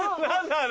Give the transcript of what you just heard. あれ。